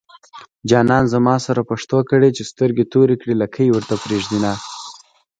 جانان زما سره پښتو کړي چې سترګې توري کړي لکۍ ورته پرېږدينه